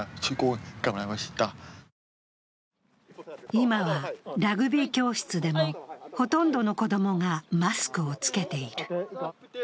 今はラグビー教室でもほとんどの子供がマスクをつけている。